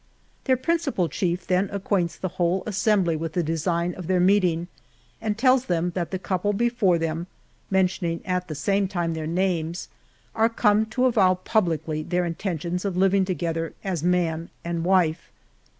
Their principal chief then acquaints the whole assembly with the design of their meeting, and tells them that the couple before them, mentioning at the same time their names, are come to avow publicly their intentions of living together as man and wife.